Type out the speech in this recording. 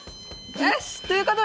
よし！ということで。